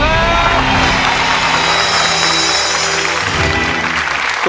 สู้ครับ